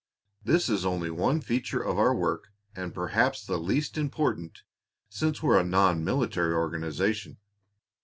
This is only one feature of our work, and perhaps the least important since we're a nonmilitary organization.